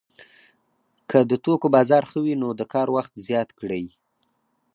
که د توکو بازار ښه وي نو د کار وخت زیات کړي